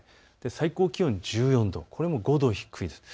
最高気温も１４度、これも５度低いです。